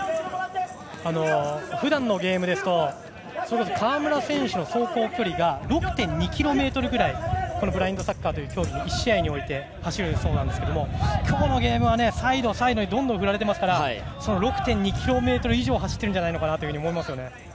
ふだんのゲームだと川村選手の走行距離が６．２ｋｍくらいこのブラインドサッカーの１試合において走るそうなんですけれども今日のゲームはサイド、サイドに振られているので６．２ｋｍ以上走ってるんじゃないかなと思いますよね。